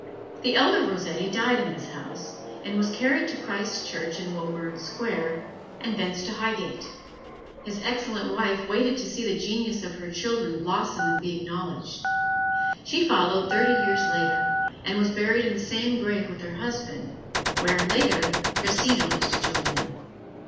The elder Rossetti died in this house, and was carried to Christ Church in Woburn Square, and thence to Highgate. His excellent wife waited to see the genius of her children blossom and be acknowledged. She followed thirty years later, and was buried in the same grave with her husband, where, later, Christina was to join them.